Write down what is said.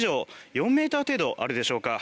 ４ｍ程度あるでしょうか。